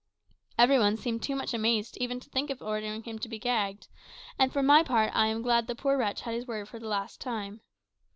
Every one seemed too much amazed even to think of ordering him to be gagged: and, for my part, I am glad the poor wretch had his word for the last time.